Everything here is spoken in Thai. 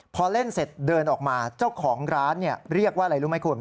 พอเล่นเสร็จเดินออกมาเจ้าของร้านเรียกว่าอะไรรู้ไหมคุณ